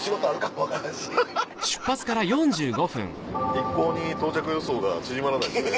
一向に到着予想が縮まらないですね。